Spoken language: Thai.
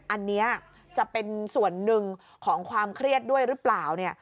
อันนี้จะเป็นส่วนหนึ่งของความเครียดด้วยหรือเปล่าเนี่ย